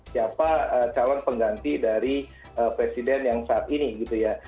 siapa calon pengganti dari presiden yang saat ini gitu ya